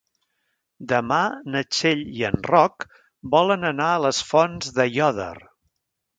Demà na Txell i en Roc volen anar a les Fonts d'Aiòder.